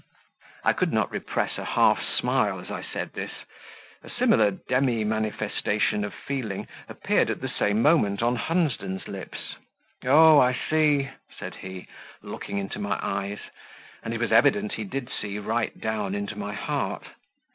I could not repress a half smile as I said this; a similar demi manifestation of feeling appeared at the same moment on Hunsden's lips. "Oh, I see!" said he, looking into my eyes, and it was evident he did see right down into my heart.